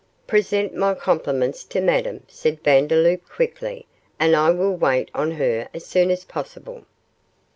'Present my compliments to Madame,' said Vandeloup, quickly, 'and I will wait on her as soon as possible.